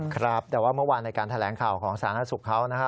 ครับแต่ว่าเมื่อวานในการแถลงข่าวของสาธารณสุขเขานะฮะ